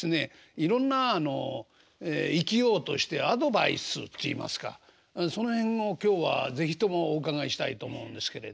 いろんなあの生きようとしてアドバイスっていいますかその辺を今日は是非ともお伺いしたいと思うんですけれど。